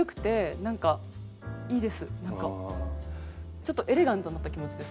ちょっとエレガントになった気持ちです。